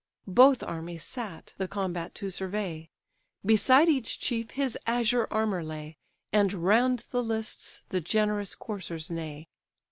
Both armies sat the combat to survey. Beside each chief his azure armour lay, And round the lists the generous coursers neigh.